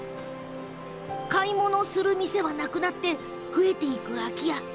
買い物をする店はなくなり増えていく空き家。